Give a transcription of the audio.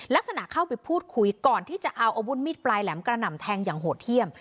เข้าไปพูดคุยก่อนที่จะเอาอาวุธมีดปลายแหลมกระหน่ำแทงอย่างโหดเยี่ยม